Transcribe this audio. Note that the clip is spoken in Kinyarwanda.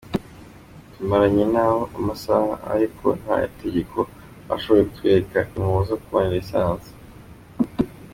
“Tumaranye nabo amasaha ariko nta tegeko bashoboye kutwereka rimubuza kubona ‘License’.